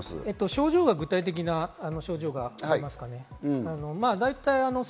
症状は具体的な症状があります。